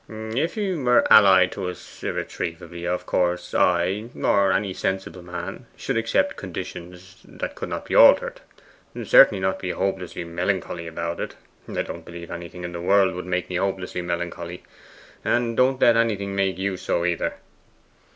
'If he were allied to us irretrievably, of course I, or any sensible man, should accept conditions that could not be altered; certainly not be hopelessly melancholy about it. I don't believe anything in the world would make me hopelessly melancholy. And don't let anything make you so, either.